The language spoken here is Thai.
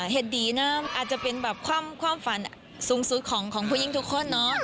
เหตุดีอาจจะเป็นความฝันสูงสุดของผู้หญิงทุกคน